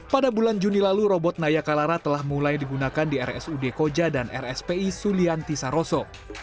pada bulan juni lalu robot nayakalara telah mulai digunakan di rsud koja dan rspi sulianti saroso